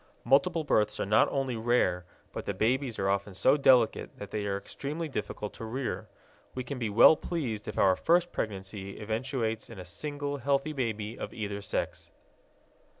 Multiple births are not only rare, but the babies are often so delicate that they are extremely difficult to rear. We can be well pleased if our first pregnancy eventuates in a single healthy baby of either sex.